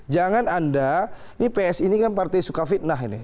jangan anda ini psi ini kan partai suka fitnah ini